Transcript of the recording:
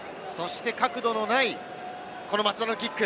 角度のないこの松田のキック。